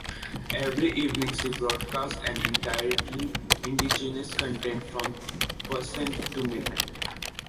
Every evening she broadcasts an entirely indigenous content, from % to midnight.